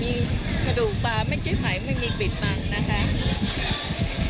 มีกระดูกปลาแม่งเจ๊ไฝไม่มีกลิ่นบังนะคะ